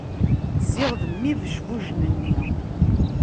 Ziɣ d mm ibejbujen-nni!...